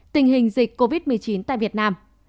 tình hình dịch covid một mươi chín tại việt nam